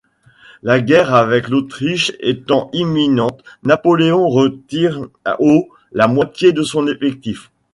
La guerre avec l'Autriche étant imminente, Napoléon retire au la moitié de son effectif.